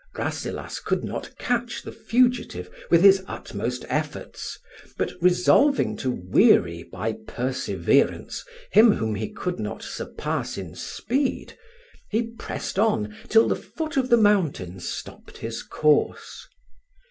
Rasselas could not catch the fugitive with his utmost efforts; but, resolving to weary by perseverance him whom he could not surpass in speed, he pressed on till the foot of the mountain stopped his course.